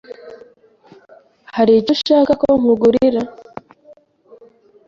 Hari icyo ushaka ko nkugurira?